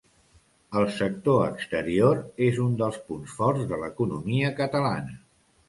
El sector exterior és un dels punts forts de l'economia catalana.